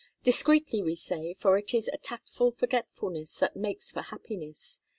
Discreetly, we say; for it is a tactful forgetfulness that makes for happiness.